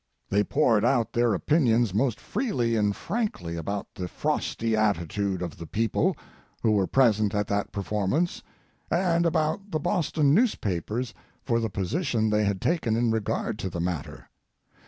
They poured out their opinions most freely and frankly about the frosty attitude of the people who were present at that performance, and about the Boston newspapers for the position they had taken in regard to the matter.